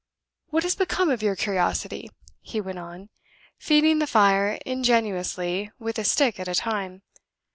What has become of your curiosity?" he went on, feeding the fire ingeniously with a stick at a time.